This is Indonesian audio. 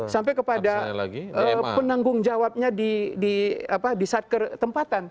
sampai kepada penanggung jawabnya di saat ketempatan